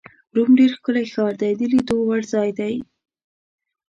روم ډېر ښکلی ښار دی، د لیدو وړ ځای دی.